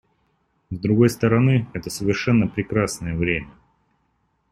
С другой стороны, это совершенно прекрасное время.